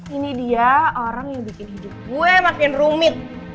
ini dia orang yang bikin hidup gue makin rumit